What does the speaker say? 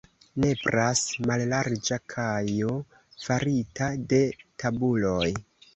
Nepras mallarĝa kajo farita de tabuloj.